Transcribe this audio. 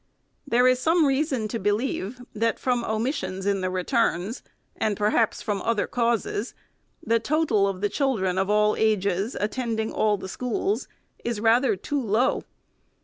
There is some reason to believe, that from omissions in the returns, and, perhaps, from other causes, the total of the children of all ages, attending all the schools, is rather too low.